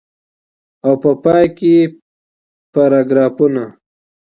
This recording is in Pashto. او په پای کي پاراګرافونه.